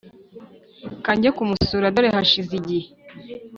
Kanjye kumusura dore hashize igihe